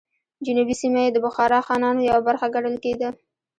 جنوبي سیمه یې د بخارا خانانو یوه برخه ګڼل کېده.